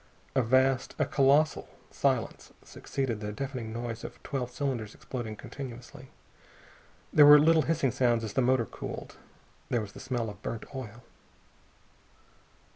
A vast, a colossal silence succeeded the deafening noise of twelve cylinders exploding continuously. There were little hissing sounds as the motor cooled. There was the smell of burnt oil.